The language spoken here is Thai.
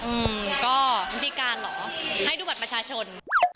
อืมก็พิธีการเหรอให้ดูแบบประชาชน